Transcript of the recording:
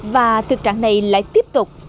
và thực trạng này lại tiếp tục